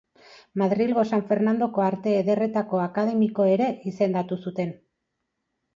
Madrilgo San Fernandoko Arte Ederretako akademiko ere izendatu zuten.